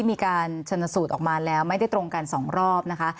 มีการชนสูตรออกมาแล้วไม่ได้ตรงกัน๒รอบนะคะ